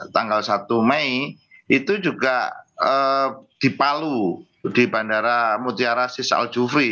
tanggal satu mei itu juga dipalu di bandara mutia rasis al jufri